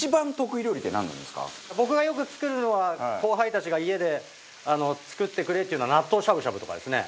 僕がよく作るのは後輩たちが家で「作ってくれ」って言うのは納豆しゃぶしゃぶとかですね。